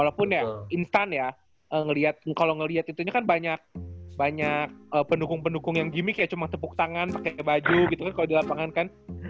walaupun ya intan ya ngeliat kalo ngeliat itunya kan banyak pendukung pendukung yang gimmick ya cuma tepuk tangan pake baju gitu kan kalo di lapangan kan